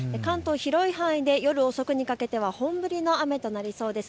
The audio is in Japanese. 広い範囲で夜遅くにかけては本降りの雨となりそうです。